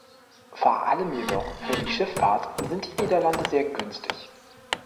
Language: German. Vor allem jedoch für die Schifffahrt sind die Niederlande sehr günstig.